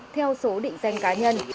theo số định danh cá nhân